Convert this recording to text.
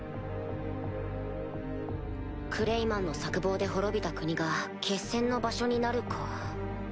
クレイマンの策謀で滅びた国が決戦の場所になるか。